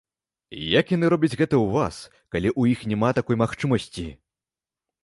Як яны робяць гэта ў вас, калі ў іх няма такой магчымасці?